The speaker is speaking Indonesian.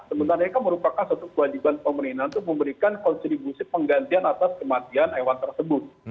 sebenarnya kan merupakan satu kewajiban pemerintah untuk memberikan kontribusi penggantian atas kematian hewan tersebut